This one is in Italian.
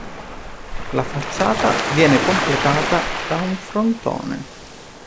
La facciata viene completata da un frontone.